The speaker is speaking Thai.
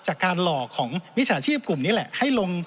จากการหลอกของมิจฉาชีพกลุ่มนี้แหละให้ลง